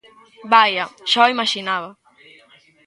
Vaia, xa o imaxinaba.